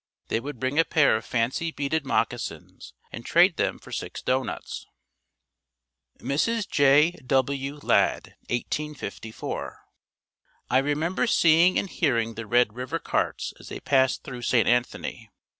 They would bring a pair of fancy beaded moccasins and trade them for six doughnuts. Mrs. J. W. Ladd 1854. I remember seeing and hearing the Red River carts as they passed through St. Anthony.